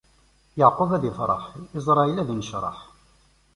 Yeɛqub ad ifreḥ; Isṛayil ad innecreḥ.